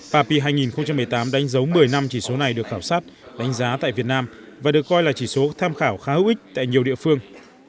papi hai nghìn một mươi tám đánh dấu một mươi năm chỉ số này được khảo sát đánh giá tại việt nam và được coi là chỉ số tham khảo khá hữu ích tại nhiều địa phương